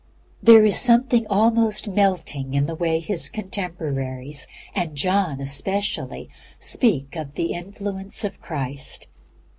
There is something almost melting in the way His contemporaries, and John especially, speak of the influence of Christ.